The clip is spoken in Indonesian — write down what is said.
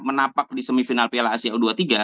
menapak di semifinal piala asia u dua puluh tiga